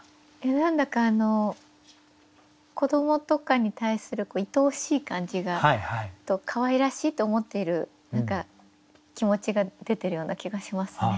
なんだかあの子どもとかに対するいとおしい感じとかわいらしいと思っている何か気持ちが出てるような気がしますね。